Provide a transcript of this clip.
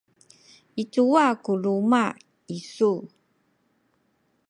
i cuwa ku luma’ isu?